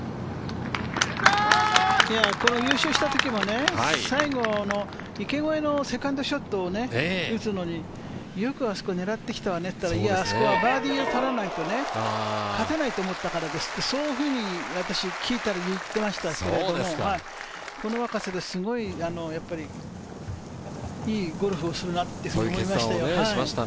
優勝したときも最後の池越えのセカンドショットを打つのによくあそこを狙ってきたわねと、あそこはバーディーを取らないと、勝てないと思ったからですって、そういう風に私が聞いたら言ってました、この若さですごいいいゴルフをするなって思いました。